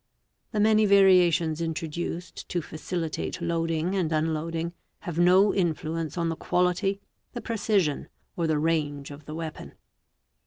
The many variations introduced to facilitate load 'ing and unloading have no influence on the quality, the precision, or the 'range of the weapon.